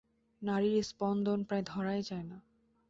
নাড়ির স্পন্দন প্রায় ধরাই যায় না।